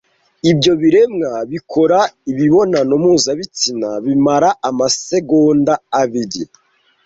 Ibyo biremwa bikora imibonano mpuzabitsina bimara amasegonda abiri